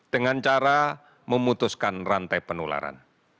dengan cara memutuskan rantai penularan